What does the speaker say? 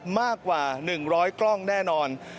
มากกว่า๑๐๐กล้องแน่นอน